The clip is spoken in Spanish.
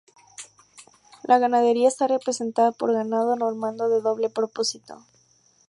La ganadería está representada por ganado normando de doble propósito.